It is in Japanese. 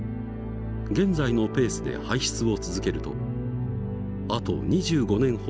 現在のペースで排出を続けるとあと２５年ほどで使い切ってしまう。